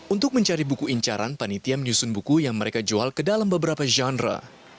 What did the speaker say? untuk mencari buku incaran panitia menyusun buku yang mereka jual ke dalam beberapa genre